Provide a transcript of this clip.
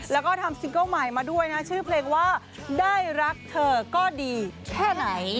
แล้วก็ทำซิงเกิ้ลใหม่มาด้วยนะชื่อเพลงว่าได้รักเธอก็ดีแค่ไหน